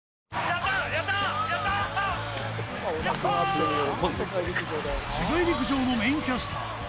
世界陸上のメインキャスター